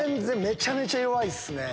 めちゃめちゃ弱いっすね。